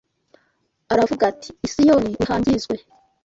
aravuga ati i Siyoni nihangizwe